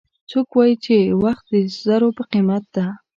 څوک وایي چې وخت د زرو په قیمت ده